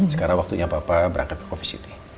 sekarang waktunya papa berangkat ke covis city